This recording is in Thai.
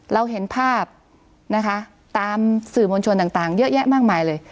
เราเห็นภาพนะคะตามสื่อมวลชนต่างเยอะแยะมากมายเลย